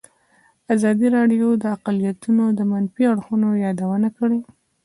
ازادي راډیو د اقلیتونه د منفي اړخونو یادونه کړې.